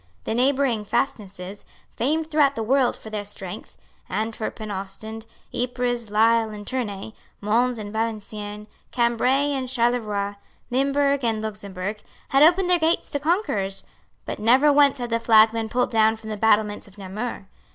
The neighbouring fastnesses, famed throughout the world for their strength, Antwerp and Ostend, Ypres, Lisle and Tournay, Mons and Valenciennes, Cambray and Charleroi, Limburg and Luxemburg, had opened their gates to conquerors; but never once had the flag been pulled down from the battlements of Namur.